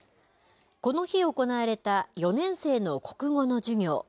この日行われた４年生の国語の授業。